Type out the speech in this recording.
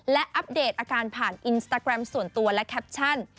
และอัปเดตอาการผ่านอินสตาแกรมส่วนตัวและแคปชั่น